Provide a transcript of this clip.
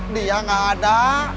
dia gak ada